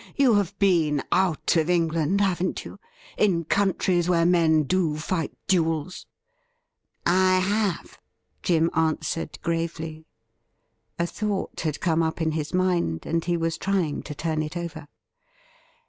' You have been out of England, haven't you — in countries where men do fight duels ?'' I have,' Jim answered gravely. A thought had come up in his mind, and he was trying to turn it over.